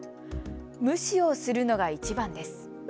無視をするのがいちばんです。